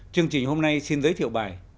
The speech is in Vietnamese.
chương trình hôm nay xin giới thiệu bài